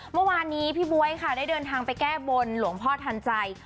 เมื่อวานนี้พี่บ๊วยค่ะได้เดินทางไปแก้บนหลวงพ่อทันใจ